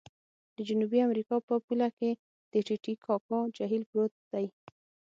د جنوبي امریکا په پوله کې د ټې ټې کاکا جهیل پروت دی.